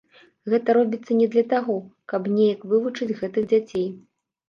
Гэта робіцца не для таго, каб неяк вылучыць гэтых дзяцей.